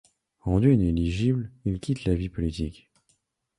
Rendu inéligible, il quitte la vie politique.